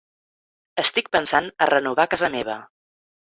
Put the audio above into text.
Estic pensant a renovar casa meva.